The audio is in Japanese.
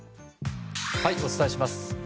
お伝えします。